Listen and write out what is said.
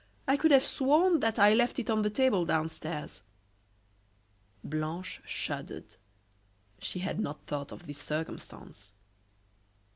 I could have sworn that I left it on the table downstairs." Blanche shuddered. She had not thought of this circumstance.